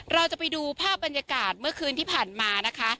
เราจะไปดูภาพบรรยากาศเมื่อคืนที่ผ่านมานะคะ